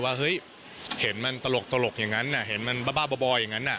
ว่าเฮ้ยเห็นมันตลกอย่างนั้นเห็นมันบ้าบ่ออย่างนั้น